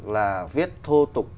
là viết thô tục